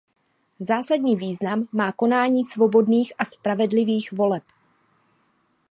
Zásadní význam má konání svobodných a spravedlivých voleb.